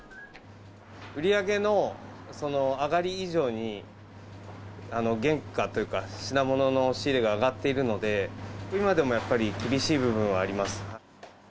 売り上げの上がり以上に、原価というか、品物の仕入れが上がっているので、今でもやっぱり、厳しい部分はあります。